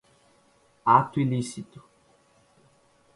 ato ilícito